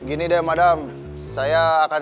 gini deh madam saya akan